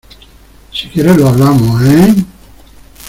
si quieres lo hablamos, ¿ eh?